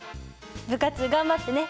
部活頑張ってね。